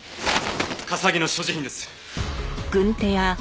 笠城の所持品です。